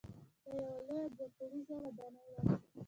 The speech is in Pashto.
دا یوه لویه دوه پوړیزه ودانۍ وه.